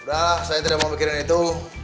sudahlah saya tidak mau bikin itu